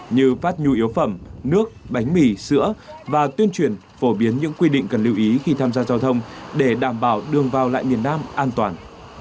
như phát nhu yếu phẩm nước bánh mì sữa và tuyên truyền phổ biến những quy định cần lưu ý khi tham gia giao thông để đảm bảo đường vào lại miền nam an toàn